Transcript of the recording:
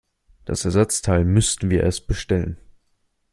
Das Ersatzteil müssten wir erst bestellen.